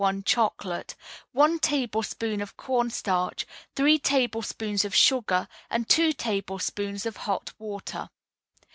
1 Chocolate, one tablespoonful of cornstarch, three tablespoonfuls of sugar, and two tablespoonfuls of hot water.